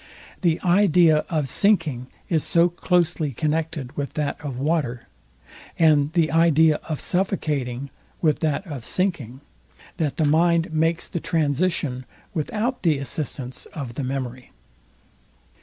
The idea of sinking is so closely connected with that of water, and the idea of suffocating with that of sinking, that the mind makes the transition without the assistance of the memory.